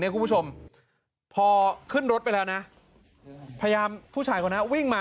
แล้วจังหวะที่ตัวผู้หญิงพอขึ้นรถไปแล้วพยายามผู้ชายคนนั้นวิ่งมา